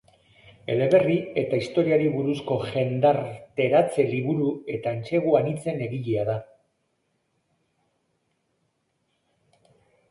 Eleberri eta historiari buruzko jendarteratze-liburu eta entsegu anitzen egilea da.